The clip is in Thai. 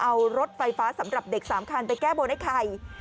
เอารถไฟฟ้าสำหรับเด็ก๓คันไปแก้บนไอ้ไข่